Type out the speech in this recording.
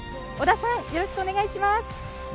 よろしくお願いします。